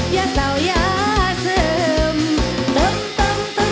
ยาเศร้ายาเศร้า